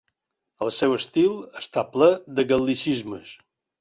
El seu estil està ple de gal·licismes.